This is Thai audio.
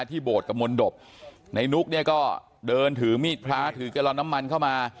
โบสถกับมนตบในนุกเนี่ยก็เดินถือมีดพระถือแกลลอนน้ำมันเข้ามา